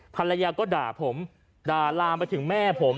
ภรรยาก็ด่าผมด่าลามไปถึงแม่ผม